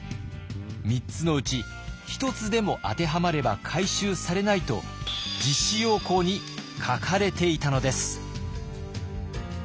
３つのうち１つでも当てはまれば回収されないと実施要綱に書かれていたのです。